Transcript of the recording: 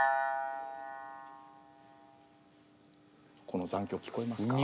この残響聞こえますか？